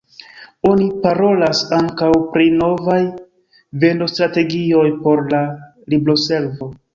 Oni parolas ankaŭ pri novaj vendostrategioj por la libroservo.